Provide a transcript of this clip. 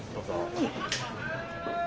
はい。